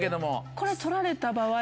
これ取られた場合は。